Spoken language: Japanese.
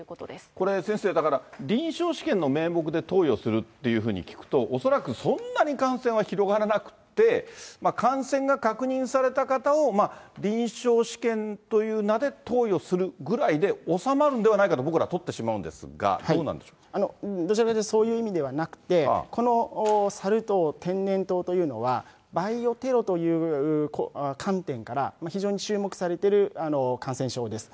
これ、先生、臨床試験の名目で投与するというふうに聞くと、恐らくそんなに感染は広がらなくて、感染が確認された方を臨床試験という名で投与するぐらいで収まるんじゃないかと僕ら取ってしまうんですが、どどちらかというとそういう意味ではなくて、このサル痘、天然痘というのは、バイオテロという観点から非常に注目されてる感染症です。